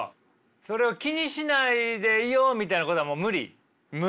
それを気にしないでいようみたいなことはもう無理？